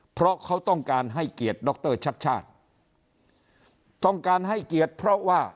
เพราะเขาต้องการให้เกียรติดรชัดชาติต้องการให้เกียรติเพราะว่า